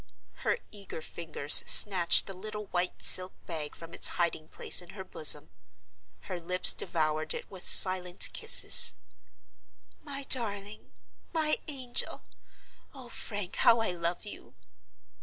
Her eager fingers snatched the little white silk bag from its hiding place in her bosom; her lips devoured it with silent kisses. "My darling! my angel! Oh, Frank, how I love you!"